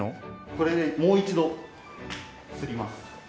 これでもう一度摺ります。